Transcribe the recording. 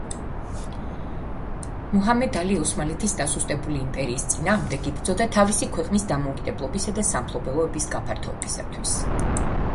მუჰამად ალი ოსმალეთის დასუსტებული იმპერიის წინააღმდეგ იბრძოდა თავისი ქვეყნის დამოუკიდებლობისა და სამფლობელოების გაფართოებისათვის.